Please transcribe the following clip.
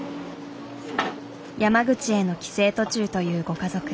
山口への帰省途中というご家族。